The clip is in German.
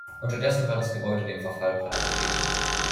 Unterdessen war das Gebäude dem Verfall preisgegeben.